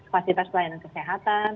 fasilitas pelayanan kesehatan